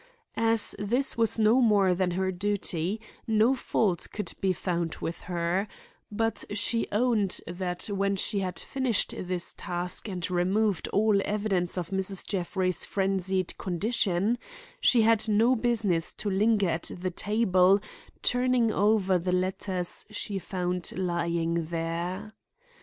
As this was no more than her duty, no fault could be found with her; but she owned that when she had finished this task and removed all evidence of Mrs. Jeffrey's frenzied condition, she had no business to linger at the table turning over the letters she found lying there.